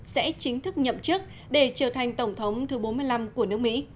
sẽ chính thức nhậm chức để trở thành tổng thống thứ bốn mươi năm của nước mỹ